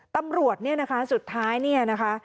ตำรวจเนี่ยนะคะสุดท้ายเนี่ยนะคะ